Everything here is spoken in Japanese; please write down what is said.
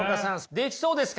できそうですか？